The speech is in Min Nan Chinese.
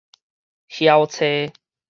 翻查